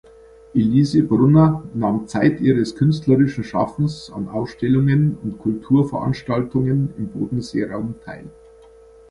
Elise Brunner nahm zeit ihres künstlerischen Schaffens an Ausstellungen und Kulturveranstaltungen im Bodenseeraum teil.